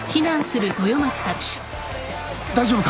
大丈夫か？